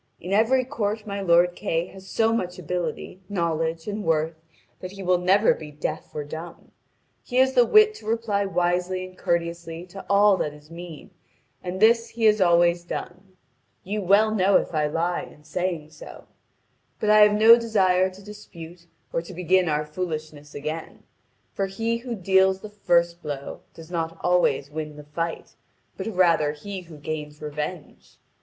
In every court my lord Kay has so much ability, knowledge, and worth that he will never be deaf or dumb. He has the wit to reply wisely and courteously to all that is mean, and this he has always done. You well know if I lie in saying so. But I have no desire to dispute or to begin our foolishness again. For he who deals the first blow does not always win the fight, but rather he who gains revenge.